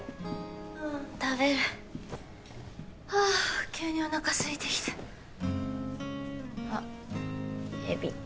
うん食べるはあ急におなかすいてきたあっエビ